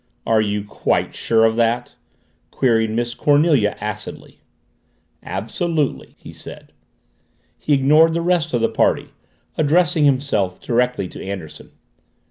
"Are you quite sure of that?" queried Miss Cornelia acidly. "Absolutely," he said. He ignored the rest of the party, addressing himself directly to Anderson.